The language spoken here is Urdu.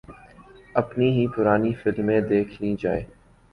اپنی ہی پرانی فلمیں دیکھ لی جائیں۔